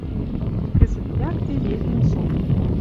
Кӹзӹт якте Ефим со.